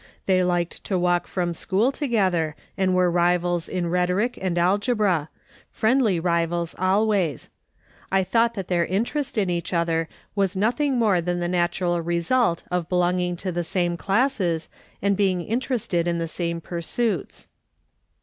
They liked to walk from school together, and were rivals in rhetoric and algebra, friendly 252 MA'S. SOLOMON SMITH LOOKING ON. rivals always ; I thought tliat their interest in each other was nothing more than the natural result of belonging to the same classes, and being interested in the same pursuits.